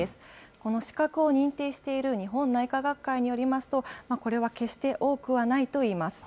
この資格を認定している日本内科学会によりますと、これは決して多くはないといいます。